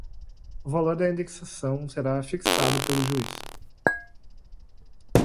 O valor da indenização será fixado pelo juiz